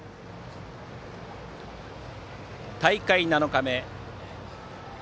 大会７日目。